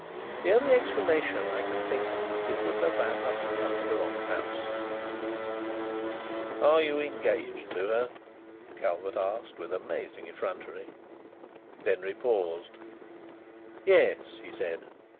The only explanation I can think of is that that van must have come to the wrong house." "Are you engaged to her?" Calvert asked, with amazing effrontery. Denry paused. "Yes," he said.